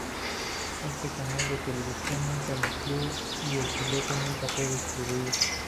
Este canal de televisión nunca emitió y el piloto nunca fue distribuido.